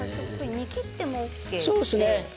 煮きってもＯＫなんですね。